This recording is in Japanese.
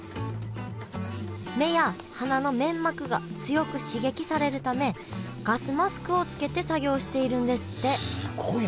目や鼻の粘膜が強く刺激されるためガスマスクをつけて作業しているんですってすごいな。